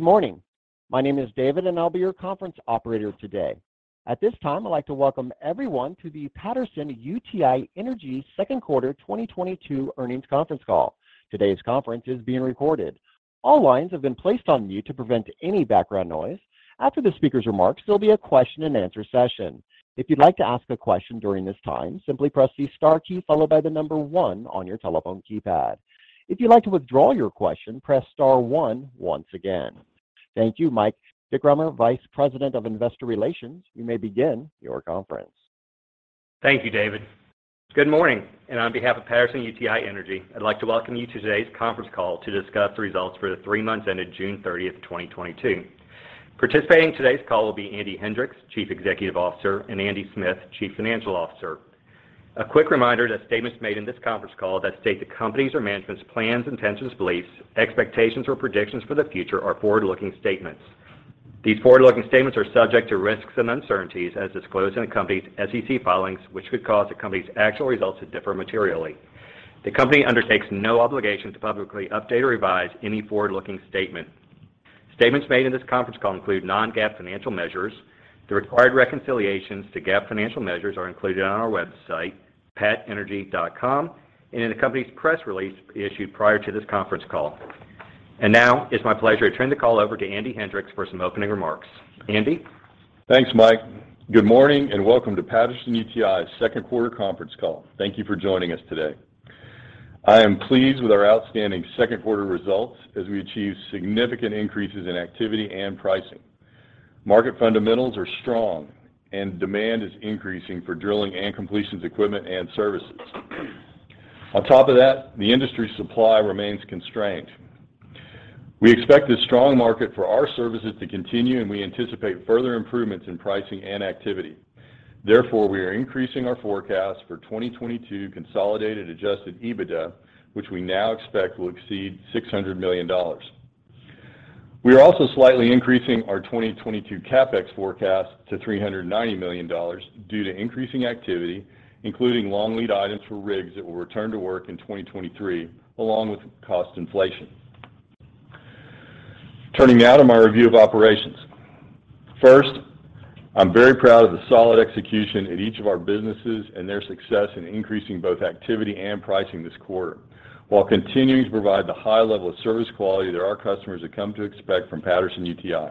Good morning. My name is David, and I'll be your conference operator today. At this time, I'd like to welcome everyone to the Patterson-UTI Energy second quarter 2022 earnings conference call. Today's conference is being recorded. All lines have been placed on mute to prevent any background noise. After the speaker's remarks, there'll be a question-and-answer session. If you'd like to ask a question during this time, simply press the star key followed by the number one on your telephone keypad. If you'd like to withdraw your question, press star one once again. Thank you. Mike Drickamer, Vice President of Investor Relations, you may begin your conference. Thank you, David. Good morning, and on behalf of Patterson-UTI Energy, I'd like to welcome you to today's conference call to discuss the results for the three months ended June 30, 2022. Participating in today's call will be Andy Hendricks, Chief Executive Officer, and Andy Smith, Chief Financial Officer. A quick reminder that statements made in this conference call that state the company's or management's plans, intentions, beliefs, expectations or predictions for the future are forward-looking statements. These forward-looking statements are subject to risks and uncertainties as disclosed in the company's SEC filings, which could cause the company's actual results to differ materially. The company undertakes no obligation to publicly update or revise any forward-looking statement. Statements made in this conference call include non-GAAP financial measures. The required reconciliations to GAAP financial measures are included on our website, patenergy.com and in the company's press release issued prior to this conference call. Now it's my pleasure to turn the call over to Andy Hendricks for some opening remarks. Andy? Thanks, Mike. Good morning and welcome to Patterson-UTI's second quarter conference call. Thank you for joining us today. I am pleased with our outstanding second quarter results as we achieve significant increases in activity and pricing. Market fundamentals are strong and demand is increasing for drilling and completions equipment and services. On top of that, the industry supply remains constrained. We expect this strong market for our services to continue, and we anticipate further improvements in pricing and activity. Therefore, we are increasing our forecast for 2022 consolidated Adjusted EBITDA, which we now expect will exceed $600 million. We are also slightly increasing our 2022 CapEx forecast to $390 million due to increasing activity, including long lead items for rigs that will return to work in 2023 along with cost inflation. Turning now to my review of operations. First, I'm very proud of the solid execution in each of our businesses and their success in increasing both activity and pricing this quarter while continuing to provide the high level of service quality that our customers have come to expect from Patterson-UTI.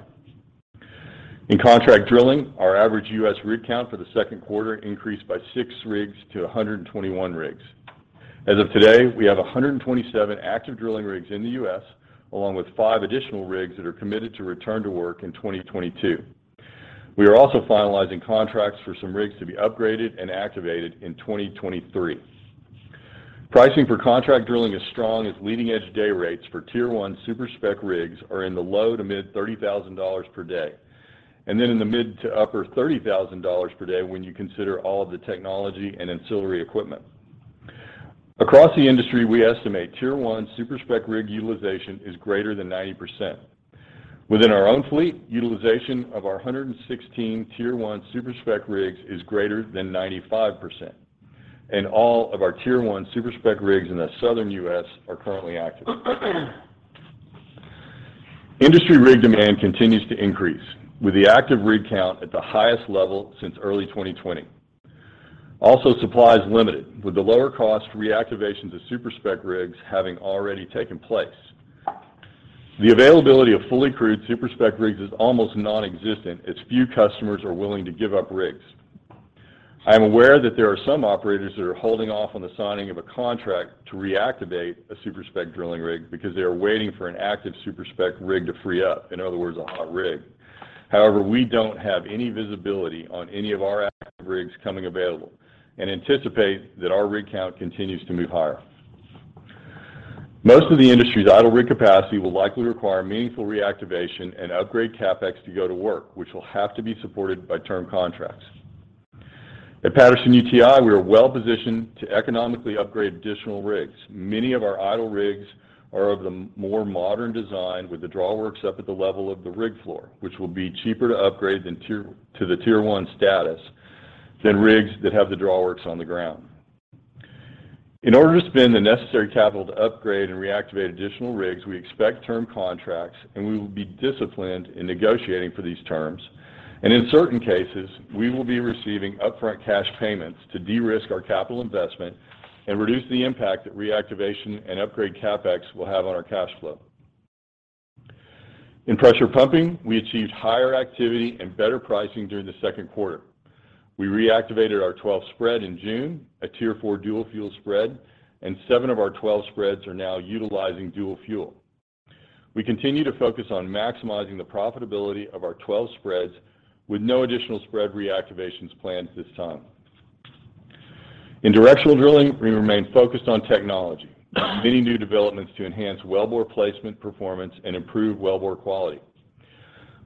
In contract drilling, our average U.S. rig count for the second quarter increased by six rigs to 121 rigs. As of today, we have 127 active drilling rigs in the U.S., along with five additional rigs that are committed to return to work in 2022. We are also finalizing contracts for some rigs to be upgraded and activated in 2023. Pricing for contract drilling is strong as leading-edge day rates for Tier 1 super-spec rigs are in the low- to mid-$30,000 per day, and then in the mid- to upper $30,000 per day when you consider all of the technology and ancillary equipment. Across the industry, we estimate Tier 1 super-spec rig utilization is greater than 90%. Within our own fleet, utilization of our 116 Tier 1 super-spec rigs is greater than 95%, and all of our Tier 1 super-spec rigs in the Southern U.S. are currently active. Industry rig demand continues to increase with the active rig count at the highest level since early 2020. Also, supply is limited, with the lower cost reactivation to super-spec rigs having already taken place. The availability of fully crewed super-spec rigs is almost nonexistent as few customers are willing to give up rigs. I am aware that there are some operators that are holding off on the signing of a contract to reactivate a super-spec drilling rig because they are waiting for an active super-spec rig to free up. In other words, a hot rig. However, we don't have any visibility on any of our active rigs coming available and anticipate that our rig count continues to move higher. Most of the industry's idle rig capacity will likely require meaningful reactivation and upgrade CapEx to go to work, which will have to be supported by term contracts. At Patterson-UTI, we are well positioned to economically upgrade additional rigs. Many of our idle rigs are of the more modern design with the drawworks up at the level of the rig floor, which will be cheaper to upgrade to the Tier 1 status than rigs that have the drawworks on the ground. In order to spend the necessary capital to upgrade and reactivate additional rigs, we expect term contracts, and we will be disciplined in negotiating for these terms. In certain cases, we will be receiving upfront cash payments to de-risk our capital investment and reduce the impact that reactivation and upgrade CapEx will have on our cash flow. In pressure pumping, we achieved higher activity and better pricing during the second quarter. We reactivated our 12th spread in June, a Tier 4 dual fuel spread, and seven of our 12 spreads are now utilizing dual fuel. We continue to focus on maximizing the profitability of our 12 spreads with no additional spread reactivations planned at this time. In directional drilling, we remain focused on technology with many new developments to enhance wellbore placement performance and improve wellbore quality.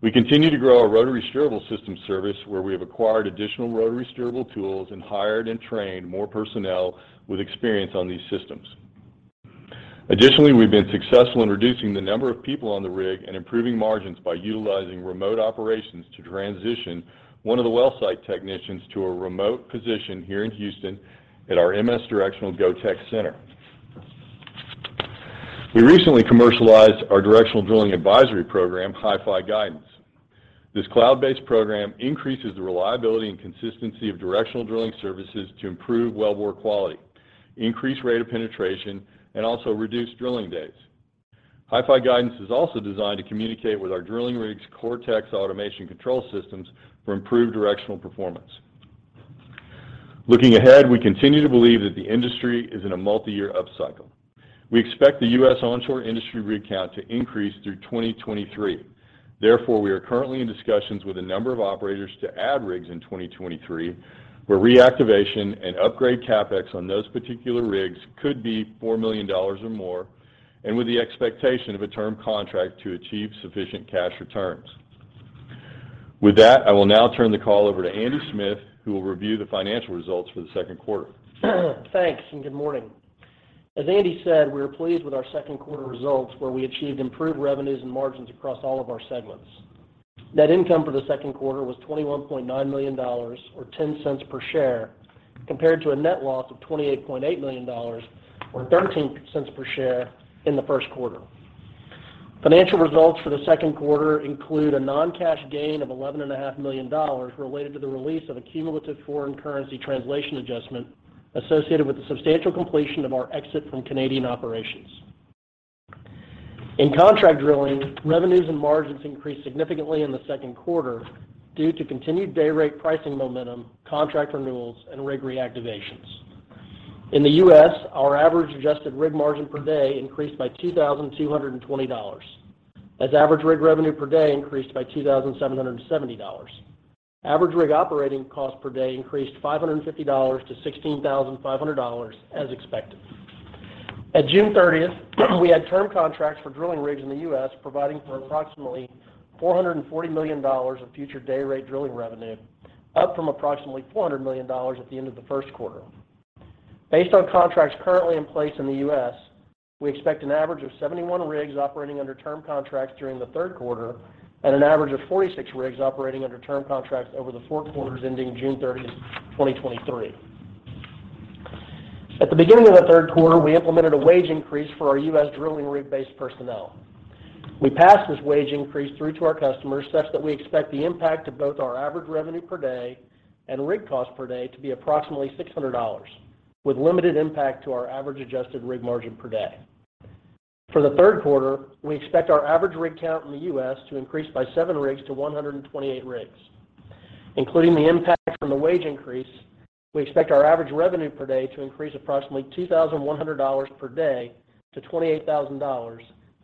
We continue to grow our rotary steerable system service, where we have acquired additional rotary steerable tools and hired and trained more personnel with experience on these systems. Additionally, we've been successful in reducing the number of people on the rig and improving margins by utilizing remote operations to transition one of the well site technicians to a remote position here in Houston at our MS Directional GOTEC Center. We recently commercialized our directional drilling advisory program, HiFi Guidance. This cloud-based program increases the reliability and consistency of directional drilling services to improve wellbore quality, increase rate of penetration, and also reduce drilling days. HiFi Guidance is also designed to communicate with our drilling rigs' CORTEX automation control systems for improved directional performance. Looking ahead, we continue to believe that the industry is in a multiyear upcycle. We expect the U.S. onshore industry rig count to increase through 2023. Therefore, we are currently in discussions with a number of operators to add rigs in 2023, where reactivation and upgrade CapEx on those particular rigs could be $4 million or more, and with the expectation of a term contract to achieve sufficient cash returns. With that, I will now turn the call over to Andy Smith, who will review the financial results for the second quarter. Thanks, good morning. As Andy said, we are pleased with our second quarter results, where we achieved improved revenues and margins across all of our segments. Net income for the second quarter was $21.9 million, or $0.10 per share, compared to a net loss of $28.8 million, or $0.13 per share in the first quarter. Financial results for the second quarter include a non-cash gain of $11.5 million related to the release of a cumulative foreign currency translation adjustment associated with the substantial completion of our exit from Canadian operations. In contract drilling, revenues and margins increased significantly in the second quarter due to continued dayrate pricing momentum, contract renewals, and rig reactivations. In the U.S., our average adjusted rig margin per day increased by $2,220, as average rig revenue per day increased by $2,770. Average rig operating cost per day increased $550 to $16,500 as expected. At June 30, we had term contracts for drilling rigs in the U.S. providing for approximately $440 million of future dayrate drilling revenue, up from approximately $400 million at the end of the first quarter. Based on contracts currently in place in the U.S., we expect an average of 71 rigs operating under term contracts during the third quarter and an average of 46 rigs operating under term contracts over the four quarters ending June 30, 2023. At the beginning of the third quarter, we implemented a wage increase for our U.S. drilling rig-based personnel. We passed this wage increase through to our customers such that we expect the impact of both our average revenue per day and rig cost per day to be approximately $600, with limited impact to our average adjusted rig margin per day. For the third quarter, we expect our average rig count in the U.S. to increase by seven rigs to 128 rigs. Including the impact from the wage increase, we expect our average revenue per day to increase approximately $2,100 per day to $28,000,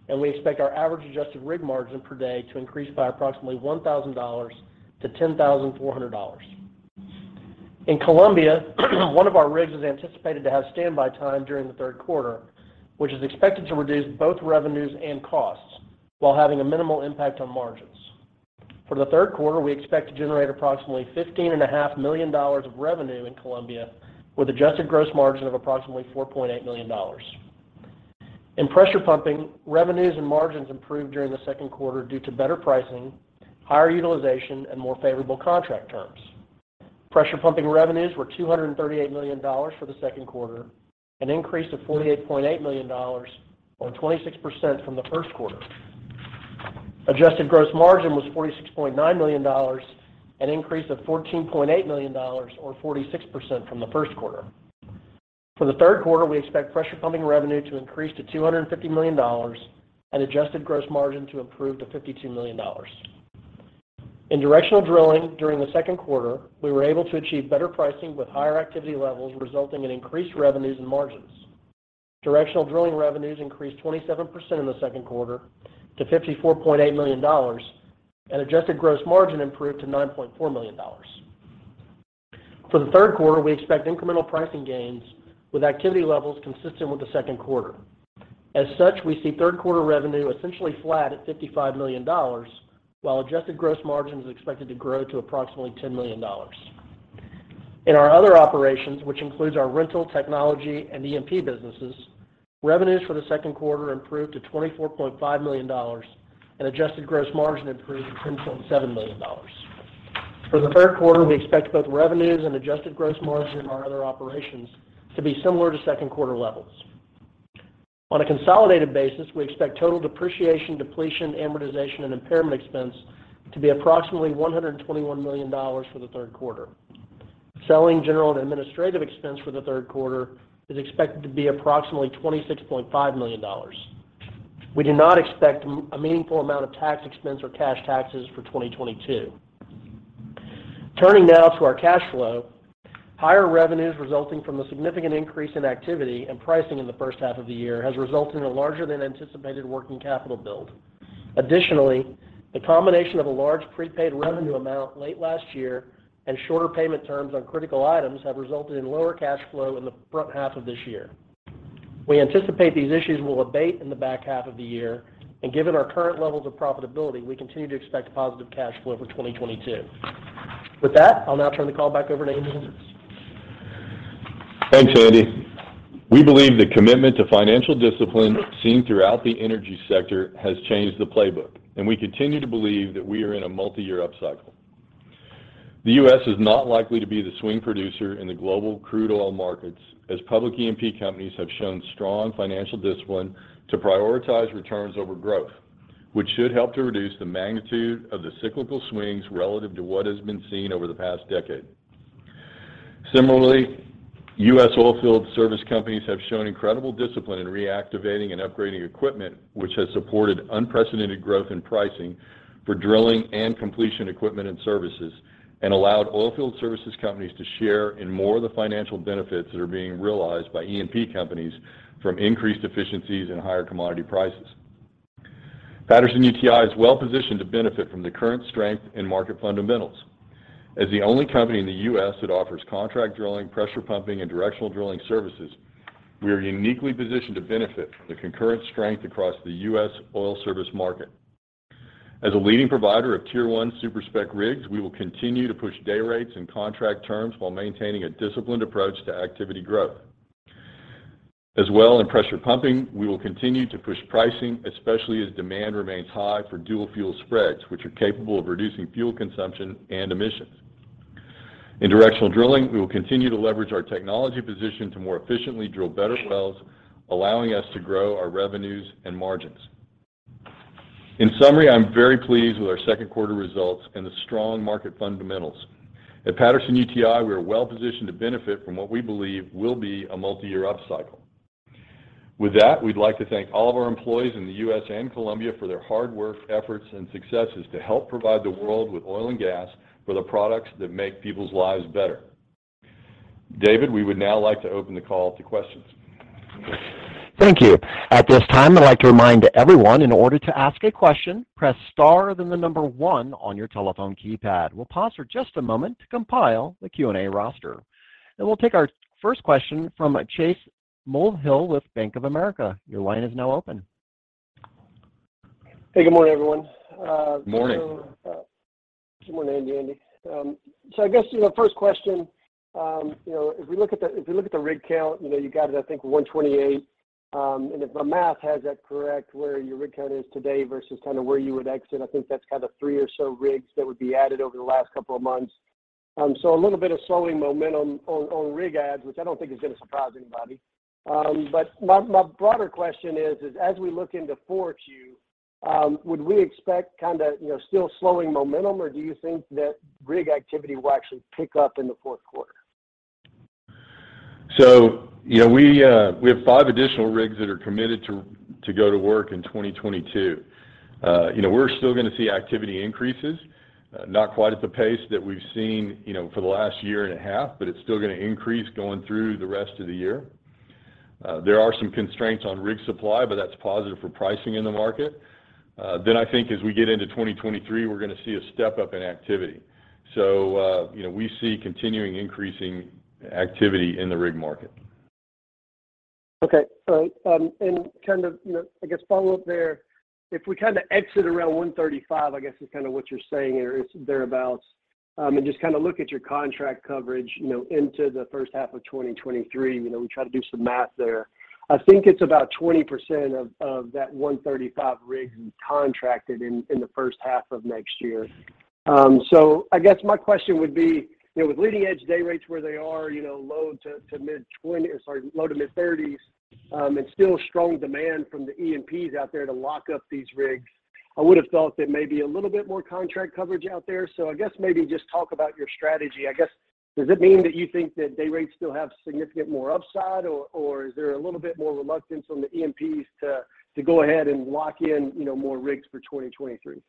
and we expect our average adjusted rig margin per day to increase by approximately $1,000 to $10,400. In Colombia, one of our rigs is anticipated to have standby time during the third quarter, which is expected to reduce both revenues and costs while having a minimal impact on margins. For the third quarter, we expect to generate approximately $15.5 million of revenue in Colombia, with adjusted gross margin of approximately $4.8 million. In pressure pumping, revenues and margins improved during the second quarter due to better pricing, higher utilization, and more favorable contract terms. Pressure pumping revenues were $238 million for the second quarter, an increase of $48.8 million, or 26% from the first quarter. Adjusted gross margin was $46.9 million, an increase of $14.8 million, or 46% from the first quarter. For the third quarter, we expect pressure pumping revenue to increase to $250 million and adjusted gross margin to improve to $52 million. In directional drilling during the second quarter, we were able to achieve better pricing with higher activity levels, resulting in increased revenues and margins. Directional drilling revenues increased 27% in the second quarter to $54.8 million, and adjusted gross margin improved to $9.4 million. For the third quarter, we expect incremental pricing gains with activity levels consistent with the second quarter. As such, we see third quarter revenue essentially flat at $55 million, while adjusted gross margin is expected to grow to approximately $10 million. In our other operations, which includes our rental, technology, and E&P businesses, revenues for the second quarter improved to $24.5 million, and adjusted gross margin improved to $10.7 million. For the third quarter, we expect both revenues and adjusted gross margin in our other operations to be similar to second quarter levels. On a consolidated basis, we expect total depreciation, depletion, amortization, and impairment expense to be approximately $121 million for the third quarter. Selling, general, and administrative expense for the third quarter is expected to be approximately $26.5 million. We do not expect a meaningful amount of tax expense or cash taxes for 2022. Turning now to our cash flow, higher revenues resulting from the significant increase in activity and pricing in the first half of the year has resulted in a larger than anticipated working capital build. Additionally, the combination of a large prepaid revenue amount late last year and shorter payment terms on critical items have resulted in lower cash flow in the front half of this year. We anticipate these issues will abate in the back half of the year, and given our current levels of profitability, we continue to expect positive cash flow for 2022. With that, I'll now turn the call back over to Andy Hendricks. Thanks, Andy. We believe the commitment to financial discipline seen throughout the energy sector has changed the playbook, and we continue to believe that we are in a multiyear upcycle. The U.S. is not likely to be the swing producer in the global crude oil markets as public E&P companies have shown strong financial discipline to prioritize returns over growth, which should help to reduce the magnitude of the cyclical swings relative to what has been seen over the past decade. Similarly, U.S. oil field service companies have shown incredible discipline in reactivating and upgrading equipment, which has supported unprecedented growth in pricing for drilling and completion equipment and services, and allowed oil field services companies to share in more of the financial benefits that are being realized by E&P companies from increased efficiencies and higher commodity prices. Patterson-UTI is well positioned to benefit from the current strength in market fundamentals. As the only company in the U.S. that offers contract drilling, pressure pumping, and directional drilling services, we are uniquely positioned to benefit from the concurrent strength across the U.S. oil service market. As a leading provider of Tier 1 super-spec rigs, we will continue to push day rates and contract terms while maintaining a disciplined approach to activity growth. As well in pressure pumping, we will continue to push pricing, especially as demand remains high for dual fuel spreads, which are capable of reducing fuel consumption and emissions. In directional drilling, we will continue to leverage our technology position to more efficiently drill better wells, allowing us to grow our revenues and margins. In summary, I'm very pleased with our second quarter results and the strong market fundamentals. At Patterson-UTI, we are well positioned to benefit from what we believe will be a multi-year upcycle. With that, we'd like to thank all of our employees in the U.S. and Colombia for their hard work, efforts, and successes to help provide the world with oil and gas for the products that make people's lives better. David, we would now like to open the call to questions. Thank you. At this time, I'd like to remind everyone, in order to ask a question, press star, then the number one on your telephone keypad. We'll pause for just a moment to compile the Q&A roster. We'll take our first question from Chase Mulvehill with Bank of America. Your line is now open. Hey, good morning, everyone. Morning. Good morning to you, Andy. I guess, you know, first question, you know, if we look at the rig count, you know, you got it, I think, 128. And if my math has that correct where your rig count is today versus kind of where you would exit, I think that's kind of three or so rigs that would be added over the last couple of months. A little bit of slowing momentum on rig adds, which I don't think is gonna surprise anybody. But my broader question is, as we look into 4Q, would we expect kind of, you know, still slowing momentum, or do you think that rig activity will actually pick up in the fourth quarter? You know, we have five additional rigs that are committed to go to work in 2022. You know, we're still gonna see activity increases, not quite at the pace that we've seen, you know, for the last year and a half, but it's still gonna increase going through the rest of the year. There are some constraints on rig supply, but that's positive for pricing in the market. I think as we get into 2023, we're gonna see a step-up in activity. You know, we see continuing increasing activity in the rig market. Okay. Kind of, you know, I guess follow-up there, if we kind of exit around 135, I guess, is kind of what you're saying there, it's thereabout, and just kind of look at your contract coverage, you know, into the first half of 2023, you know, we try to do some math there. I think it's about 20% of that 135 rigs contracted in the first half of next year. I guess my question would be, you know, with leading-edge day rates where they are, you know, low to mid-30s, and still strong demand from the E&Ps out there to lock up these rigs, I would have thought that maybe a little bit more contract coverage out there. I guess maybe just talk about your strategy. I guess, does it mean that you think that day rates still have significant more upside or, is there a little bit more reluctance on the E&Ps to go ahead and lock in, you know, more rigs for 2023?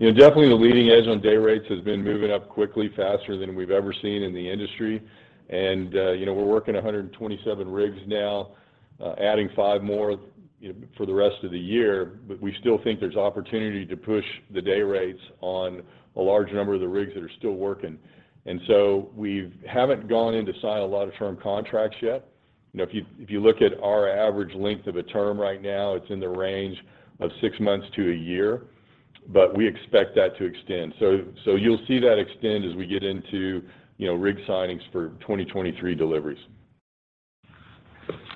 You know, definitely the leading edge on day rates has been moving up quickly, faster than we've ever seen in the industry. You know, we're working 127 rigs now, adding five more, you know, for the rest of the year. We still think there's opportunity to push the day rates on a large number of the rigs that are still working. We haven't gone in to sign a lot of term contracts yet. You know, if you look at our average length of a term right now, it's in the range of six months to a year, but we expect that to extend. You'll see that extend as we get into, you know, rig signings for 2023 deliveries.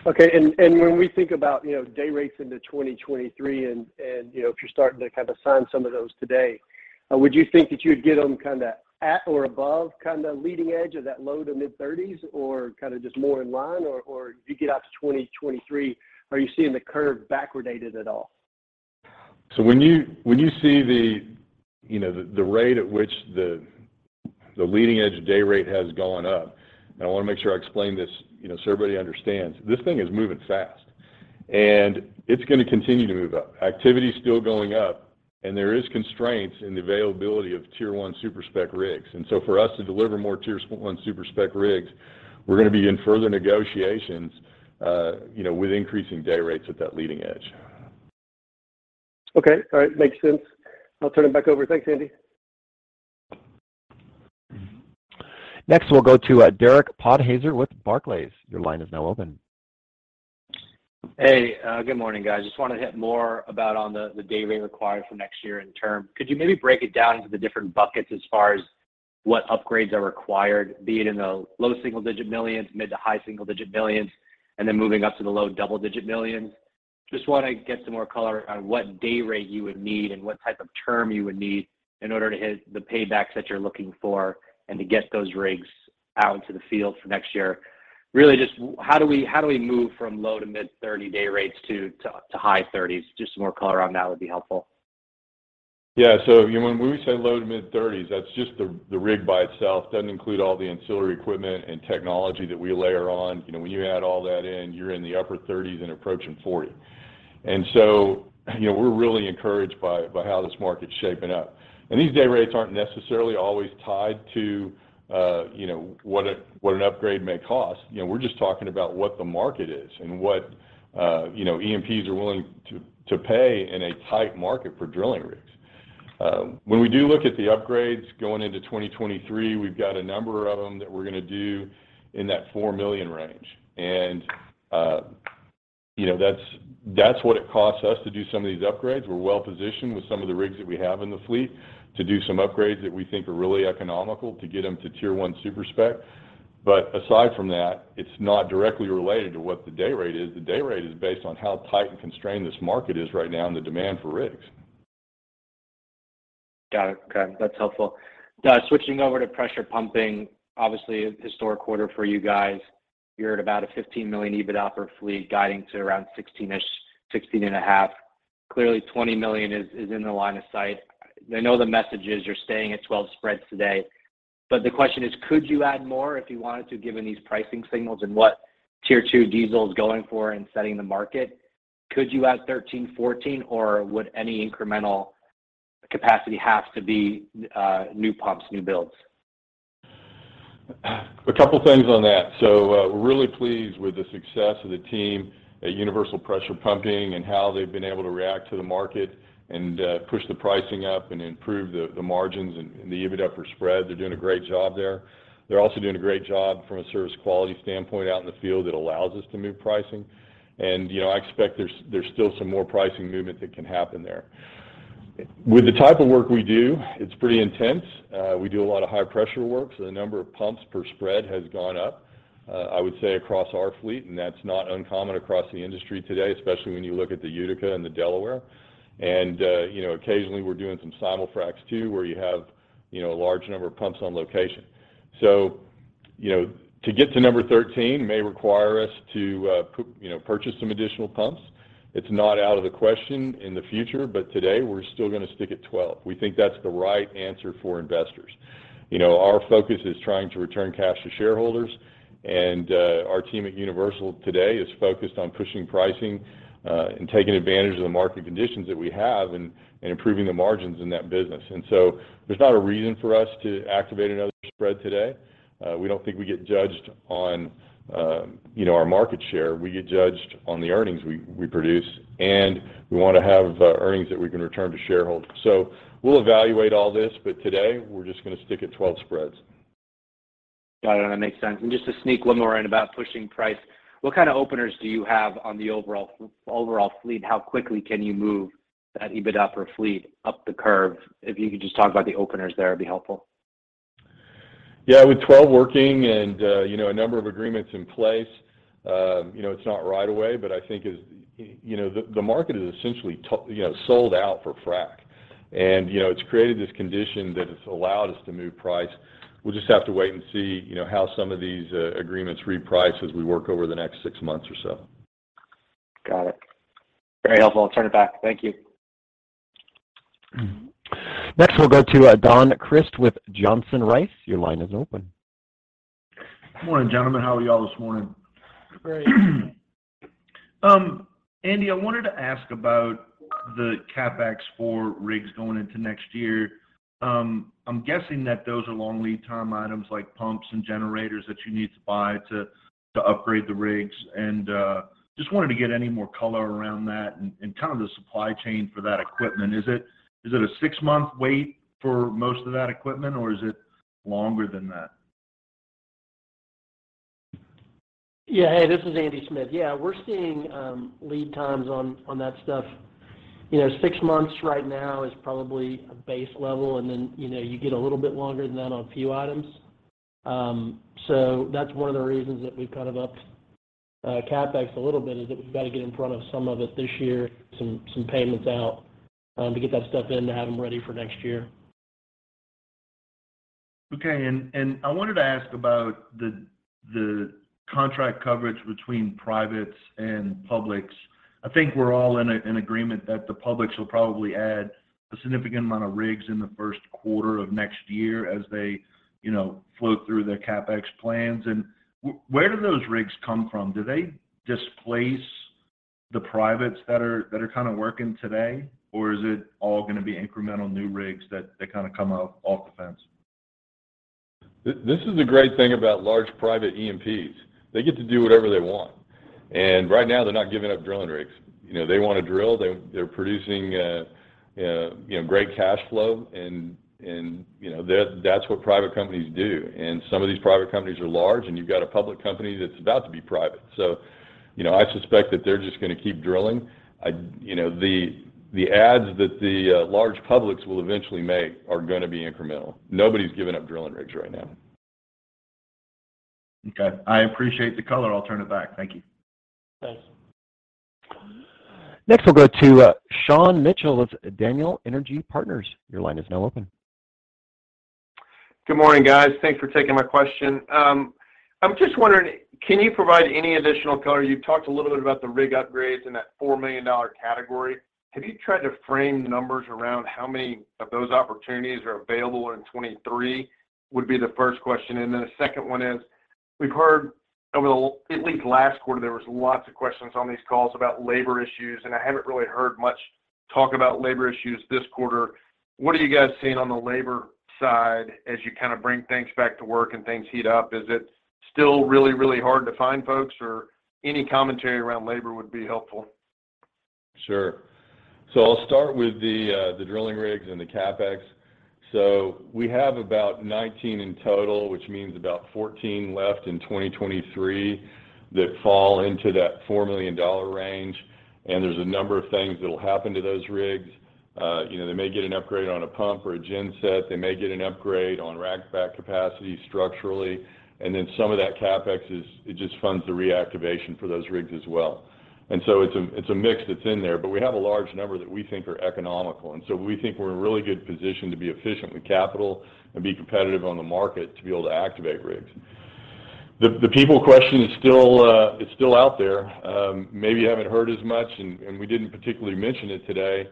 When we think about, you know, day rates into 2023 and, you know, if you're starting to kind of sign some of those today, would you think that you'd get them kinda at or above kinda leading edge of that low to mid-30s or kinda just more in line? Or as you get out to 2023, are you seeing the curve backwardated at all? When you see, you know, the rate at which the leading edge day rate has gone up, and I wanna make sure I explain this, you know, so everybody understands, this thing is moving fast. It's gonna continue to move up. Activity is still going up, and there is constraints in the availability of Tier 1 super-spec rigs. For us to deliver more Tier 1 super-spec rigs, we're gonna be in further negotiations, you know, with increasing day rates at that leading edge. Okay. All right. Makes sense. I'll turn it back over. Thanks, Andy. Next, we'll go to Derek Podhaizer with Barclays. Your line is now open. Hey, good morning, guys. Just wanted to hit more about on the day rate required for next year in term. Could you maybe break it down into the different buckets as far as what upgrades are required, be it in the low single-digit millions, mid- to high single-digit millions, and then moving up to the low double-digit millions? Just want to get some more color on what day rate you would need and what type of term you would need in order to hit the paybacks that you're looking for and to get those rigs out into the field for next year. Really, just how do we move from low- to mid-30 day rates to high 30s? Just some more color on that would be helpful. When we say low- to mid-30s, that's just the rig by itself. Doesn't include all the ancillary equipment and technology that we layer on. You know, when you add all that in, you're in the upper 30s and approaching 40. You know, we're really encouraged by how this market's shaping up. These day rates aren't necessarily always tied to, you know, what an upgrade may cost. You know, we're just talking about what the market is and what, you know, E&Ps are willing to pay in a tight market for drilling rigs. When we do look at the upgrades going into 2023, we've got a number of them that we're gonna do in that $4 million range. You know, that's what it costs us to do some of these upgrades. We're well-positioned with some of the rigs that we have in the fleet to do some upgrades that we think are really economical to get them to Tier 1 super-spec. Aside from that, it's not directly related to what the day rate is. The day rate is based on how tight and constrained this market is right now and the demand for rigs. Got it. Okay. That's helpful. Switching over to pressure pumping, obviously a historic quarter for you guys. You're at about $15 million EBITDA per fleet, guiding to around 16-ish, 16.5. Clearly $20 million is in the line of sight. I know the messages are staying at 12 spreads today. The question is, could you add more if you wanted to, given these pricing signals and what Tier 2 diesel is going for and setting the market? Could you add 13, 14, or would any incremental capacity have to be new pumps, new builds? A couple things on that. We're really pleased with the success of the team at Universal Pressure Pumping and how they've been able to react to the market and push the pricing up and improve the margins and the EBITDA per spread. They're doing a great job there. They're also doing a great job from a service quality standpoint out in the field that allows us to move pricing. You know, I expect there's still some more pricing movement that can happen there. With the type of work we do, it's pretty intense. We do a lot of high pressure work, so the number of pumps per spread has gone up, I would say across our fleet, and that's not uncommon across the industry today, especially when you look at the Utica and the Delaware. You know, occasionally we're doing some simul-frac too, where you have, you know, a large number of pumps on location. You know, to get to 13 may require us to, you know, purchase some additional pumps. It's not out of the question in the future, but today we're still gonna stick at 12. We think that's the right answer for investors. You know, our focus is trying to return cash to shareholders, and our team at Universal today is focused on pushing pricing, and taking advantage of the market conditions that we have and improving the margins in that business. There's not a reason for us to activate another spread today. We don't think we get judged on, you know, our market share. We get judged on the earnings we produce, and we want to have earnings that we can return to shareholders. We'll evaluate all this, but today we're just gonna stick at 12 spreads. Got it. That makes sense. Just to sneak one more in about pushing price, what kind of openers do you have on the overall fleet? How quickly can you move that EBITDA per fleet up the curve? If you could just talk about the openers there, it'd be helpful. Yeah. With 12 working and, you know, a number of agreements in place, you know, it's not right away, but I think as, you know. The market is essentially you know, sold out for frac. You know, it's created this condition that has allowed us to move price. We'll just have to wait and see, you know, how some of these agreements reprice as we work over the next six months or so. Got it. Very helpful. I'll turn it back. Thank you. Next, we'll go to Don Crist with Johnson Rice. Your line is open. Good morning, gentlemen. How are y'all this morning? Great. Andy, I wanted to ask about the CapEx for rigs going into next year. I'm guessing that those are long lead time items like pumps and generators that you need to buy to upgrade the rigs. Just wanted to get any more color around that and kind of the supply chain for that equipment. Is it a six-month wait for most of that equipment, or is it longer than that? Yeah. Hey, this is Andy Smith. Yeah. We're seeing lead times on that stuff. You know, six months right now is probably a base level, and then, you know, you get a little bit longer than that on a few items. That's one of the reasons that we've kind of upped CapEx a little bit, is that we've got to get in front of some of it this year, some payments out to get that stuff in to have them ready for next year. Okay. I wanted to ask about the contract coverage between privates and publics. I think we're all in agreement that the publics will probably add a significant amount of rigs in the first quarter of next year as they, you know, float through their CapEx plans. Where do those rigs come from? Do they displace the privates that are kind of working today, or is it all gonna be incremental new rigs that kind of come out off the fence? This is the great thing about large private E&Ps. They get to do whatever they want. Right now they're not giving up drilling rigs. You know, they wanna drill. They're producing, you know, great cash flow and, you know, that's what private companies do. Some of these private companies are large, and you've got a public company that's about to be private. You know, I suspect that they're just gonna keep drilling. You know, the adds that the large publics will eventually make are gonna be incremental. Nobody's giving up drilling rigs right now. Okay. I appreciate the color. I'll turn it back. Thank you. Thanks. Next we'll go to Sean Mitchell of Daniel Energy Partners. Your line is now open. Good morning, guys. Thanks for taking my question. I'm just wondering, can you provide any additional color? You've talked a little bit about the rig upgrades and that $4 million category. Have you tried to frame the numbers around how many of those opportunities are available in 2023, would be the first question. The second one is, we've heard at least last quarter, there was lots of questions on these calls about labor issues, and I haven't really heard much talk about labor issues this quarter. What are you guys seeing on the labor side as you kind of bring things back to work and things heat up? Is it still really, really hard to find folks, or any commentary around labor would be helpful. Sure. I'll start with the drilling rigs and the CapEx. We have about 19 in total, which means about 14 left in 2023 that fall into that $4 million range, and there's a number of things that'll happen to those rigs. You know, they may get an upgrade on a pump or a genset. They may get an upgrade on racking capacity structurally. Some of that CapEx just funds the reactivation for those rigs as well. It's a mix that's in there, but we have a large number that we think are economical. We think we're in a really good position to be efficient with capital and be competitive on the market to be able to activate rigs. The people question is still out there. Maybe you haven't heard as much and we didn't particularly mention it today.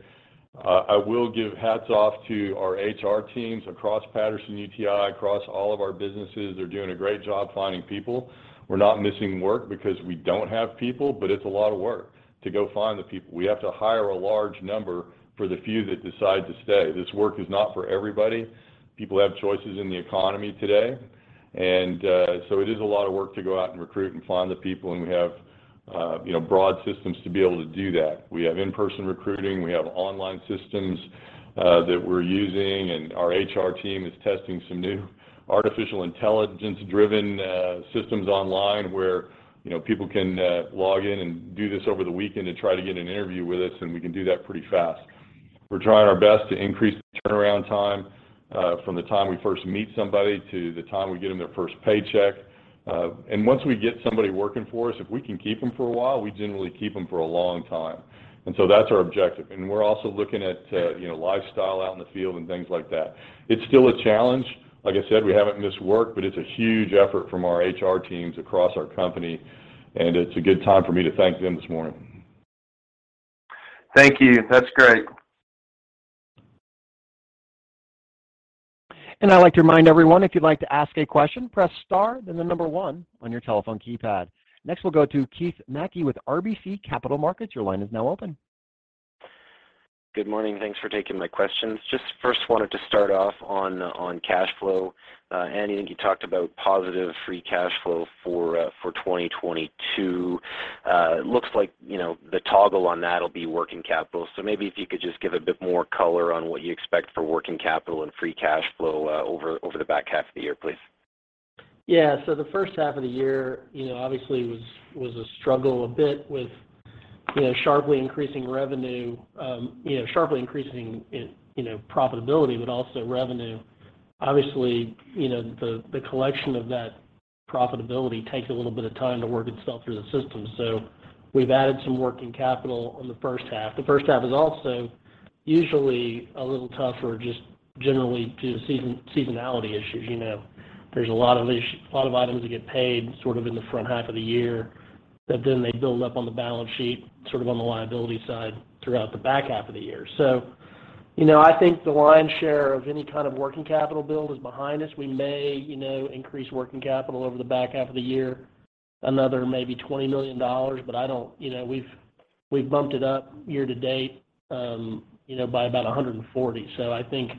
I will give hats off to our HR teams across Patterson-UTI, across all of our businesses. They're doing a great job finding people. We're not missing work because we don't have people, but it's a lot of work to go find the people. We have to hire a large number for the few that decide to stay. This work is not for everybody. People have choices in the economy today, and so it is a lot of work to go out and recruit and find the people, and we have, you know, broad systems to be able to do that. We have in-person recruiting, we have online systems that we're using, and our HR team is testing some new artificial intelligence-driven systems online where, you know, people can log in and do this over the weekend to try to get an interview with us, and we can do that pretty fast. We're trying our best to increase the turnaround time from the time we first meet somebody to the time we get them their first paycheck. Once we get somebody working for us, if we can keep them for a while, we generally keep them for a long time. That's our objective. We're also looking at, you know, lifestyle out in the field and things like that. It's still a challenge. Like I said, we haven't missed work, but it's a huge effort from our HR teams across our company, and it's a good time for me to thank them this morning. Thank you. That's great. I'd like to remind everyone, if you'd like to ask a question, press star, then the number one on your telephone keypad. Next we'll go to Keith Mackey with RBC Capital Markets. Your line is now open. Good morning. Thanks for taking my questions. Just first wanted to start off on cash flow. Andy, I think you talked about positive free cash flow for 2022. It looks like, you know, the toggle on that'll be working capital. Maybe if you could just give a bit more color on what you expect for working capital and free cash flow over the back half of the year, please. Yeah. The first half of the year, you know, obviously was a struggle a bit with, you know, sharply increasing revenue, you know, sharply increasing, you know, profitability, but also revenue. Obviously, you know, the collection of that profitability takes a little bit of time to work itself through the system. We've added some working capital in the first half. The first half is also usually a little tougher just generally due to seasonality issues, you know. There's a lot of items that get paid sort of in the front half of the year that then they build up on the balance sheet, sort of on the liability side throughout the back half of the year. You know, I think the lion's share of any kind of working capital build is behind us. We may, you know, increase working capital over the back half of the year, another maybe $20 million. You know, we've bumped it up year to date, you know, by about $140 million. I think,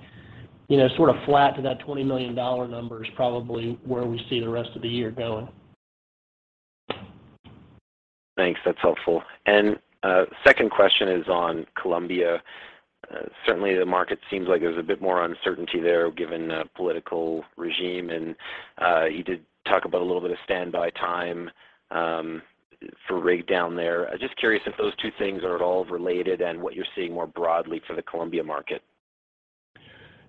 you know, sort of flat to that $20 million number is probably where we see the rest of the year going. Thanks. That's helpful. Second question is on Colombia. Certainly the market seems like there's a bit more uncertainty there given the political regime. You did talk about a little bit of standby time for rig down there. Just curious if those two things are at all related and what you're seeing more broadly for the Colombia market.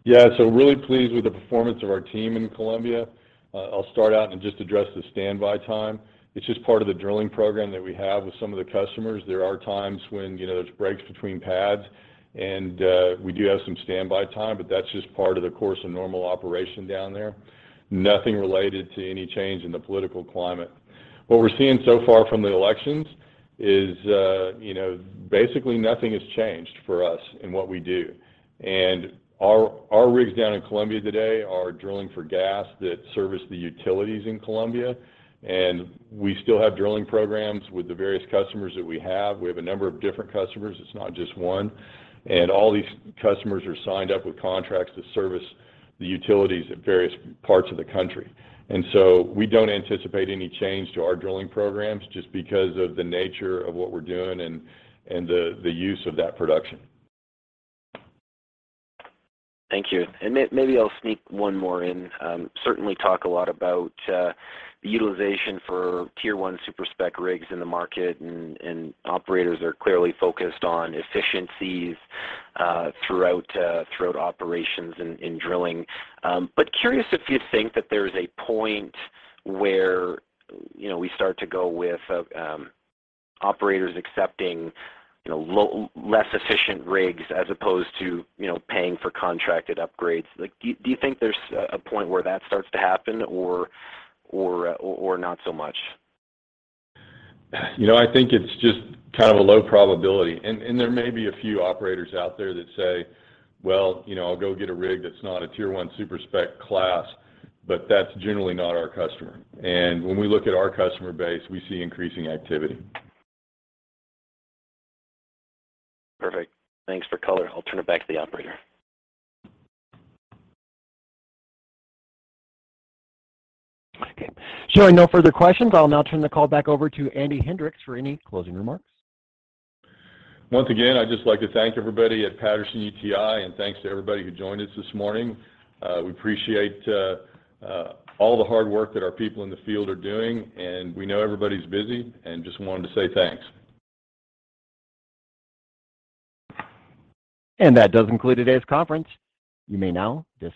Yeah. Really pleased with the performance of our team in Colombia. I'll start out and just address the standby time. It's just part of the drilling program that we have with some of the customers. There are times when, you know, there's breaks between pads and, we do have some standby time, but that's just part of the course of normal operation down there. Nothing related to any change in the political climate. What we're seeing so far from the elections is, you know, basically nothing has changed for us in what we do. Our rigs down in Colombia today are drilling for gas that service the utilities in Colombia. We still have drilling programs with the various customers that we have. We have a number of different customers. It's not just one. All these customers are signed up with contracts to service the utilities at various parts of the country. We don't anticipate any change to our drilling programs just because of the nature of what we're doing and the use of that production. Thank you. Maybe I'll sneak one more in. Certainly talk a lot about the utilization for Tier 1 super-spec rigs in the market and operators are clearly focused on efficiencies throughout operations and drilling. But curious if you think that there's a point where, you know, we start to go with operators accepting, you know, less efficient rigs as opposed to, you know, paying for contracted upgrades. Like, do you think there's a point where that starts to happen or not so much? You know, I think it's just kind of a low probability. There may be a few operators out there that say, "Well, you know, I'll go get a rig that's not a Tier 1 super-spec class," but that's generally not our customer. When we look at our customer base, we see increasing activity. Perfect. Thanks for color. I'll turn it back to the operator. Okay. Showing no further questions, I'll now turn the call back over to Andy Hendricks for any closing remarks. Once again, I'd just like to thank everybody at Patterson-UTI, and thanks to everybody who joined us this morning. We appreciate all the hard work that our people in the field are doing, and we know everybody's busy and just wanted to say thanks. That does conclude today's conference. You may now disconnect.